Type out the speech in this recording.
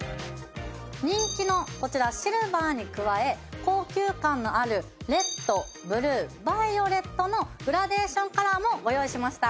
人気のこちらシルバーに加え高級感のあるレッドブルーバイオレットのグラデーションカラーもご用意しました。